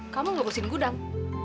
kamu ngurusin gudang